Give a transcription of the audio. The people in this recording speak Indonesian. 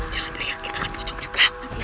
jangan teriak kita akan pocong juga